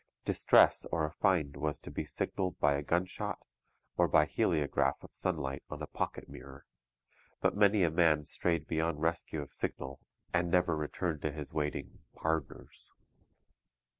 Distress or a find was to be signalled by a gunshot or by heliograph of sunlight on a pocket mirror; but many a man strayed beyond rescue of signal and never returned to his waiting 'pardners.'